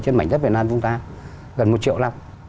trên mảnh đất việt nam chúng ta gần một triệu năm